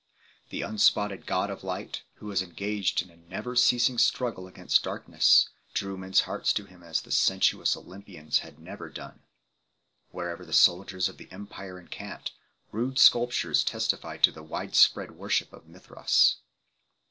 The unspotted god of light, who was engaged in a never ceasing struggle against darkness, drew men s hearts to him as the sensuous Olympians had never done. Wherever the soldiers of the empire encamped, rude sculptures testify to the wide spread worship of Mithras.